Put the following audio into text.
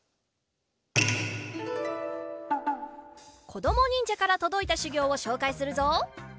こどもにんじゃからとどいたしゅぎょうをしょうかいするぞ。